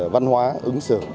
văn hóa ứng xử